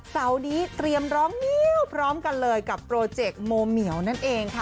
เสาร์นี้เตรียมร้องเงี้ยวพร้อมกันเลยกับโปรเจกต์โมเหมียวนั่นเองค่ะ